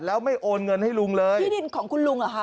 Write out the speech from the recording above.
แล้วไม่โอนเงินให้ลุงเลยที่ดินของคุณลุงเหรอคะ